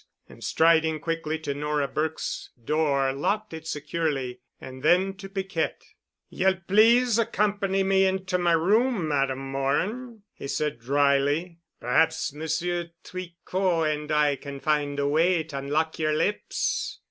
And striding quickly to Nora Burke's door locked it securely. And then to Piquette. "Ye'll please accompany me into my room, Madame Morin," he said dryly. "Perhaps Monsieur Tricot and I can find a way to unlock yer lips."